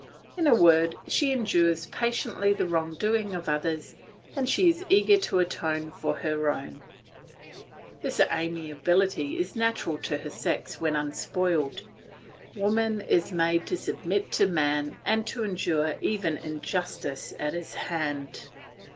In a word, she endures patiently the wrong doing of others, and she is eager to atone for her own. This amiability is natural to her sex when unspoiled. Woman is made to submit to man and to endure even injustice at his hands.